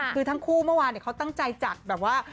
คือทั้งคู่เมื่อวานเขาตั้งใจจัดแบบว่า